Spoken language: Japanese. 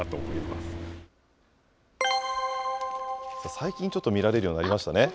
最近ちょっと見られるようになりましたね。